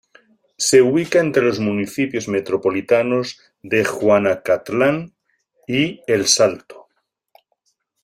Se ubican entre los municipios metropolitanos de Juanacatlán y El Salto.